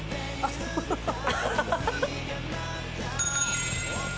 ハハハハ！